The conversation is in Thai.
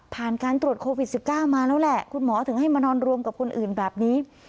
การตรวจโควิด๑๙มาแล้วแหละคุณหมอถึงให้มานอนรวมกับคนอื่นแบบนี้